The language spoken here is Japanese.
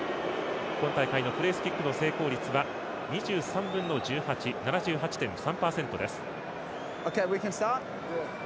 今大会のプレースキックの成功率は２３分の１８。７８．３％です。